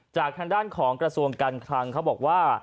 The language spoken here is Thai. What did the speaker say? จากทางด้านของกระทรวงการคลังเขาบอกว่า